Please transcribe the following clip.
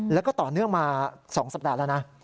แล้วก็ต่อเนื่องมา๒สัปดาห์แล้วนะ